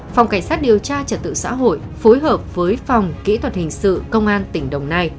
phòng cảnh sát điều tra trật tự xã hội phối hợp với phòng kỹ thuật hình sự công an tỉnh đồng nai